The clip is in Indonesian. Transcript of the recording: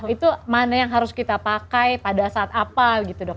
itu mana yang harus kita pakai pada saat apa gitu dok